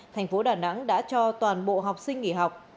thành phố đà nẵng đã cho toàn bộ học sinh nghỉ học